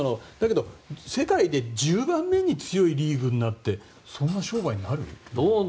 でも世界で１０番目に強いリーグになってそんな商売になる？